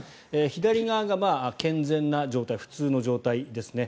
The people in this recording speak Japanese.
左側が健全な状態普通の状態ですね。